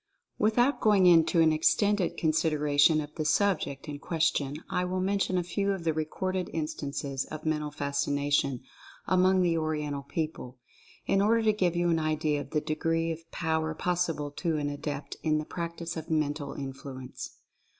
Without going into an extended consideration of the subject in question I will mention a few of the recorded instances of Mental Fascination among the Oriental people, in order to give you an idea of the degree of power possible to an adept in the practice of Mental Influence.